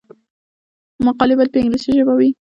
مقالې باید په انګلیسي ژبه وي.